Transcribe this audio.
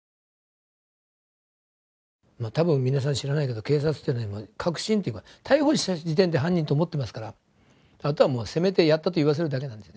多分皆さん知らないけど警察というのは確信というか逮捕した時点で犯人と思ってますからあとはもう責めて「やった」と言わせるだけなんですよね。